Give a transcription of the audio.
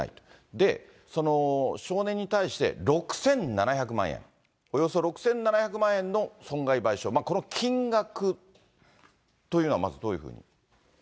で、少年に対して、６７００万円、およそ６７００万円の損害賠償、この金額というのはまずどういうふうに？